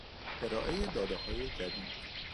ارائهی دادههای جدید